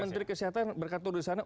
menteri kesehatan berkantor di sana